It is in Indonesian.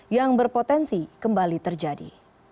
yang berpotensi kembali terjadi